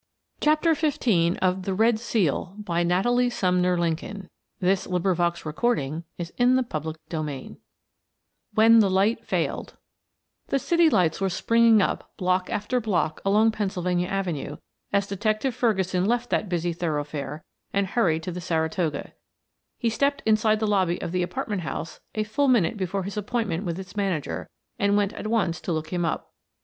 they chorused. "To locate Philip Rochester," and waiting for no answer Kent bolted out of the office. CHAPTER XV. WHEN THE LIGHT FAILED The city lights were springing up block after block along Pennsylvania Avenue as Detective Ferguson left that busy thoroughfare and hurried to the Saratoga. He stepped inside the lobby of the apartment house a full minute before his appointment with its manager, and went at once to look him up.